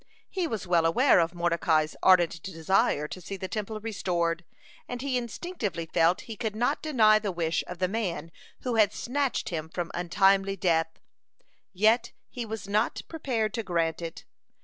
He was well aware of Mordecai's ardent desire to see the Temple restored, and he instinctively felt he could not deny the wish of the man who had snatched him from untimely death. Yet he was not prepared to grant it.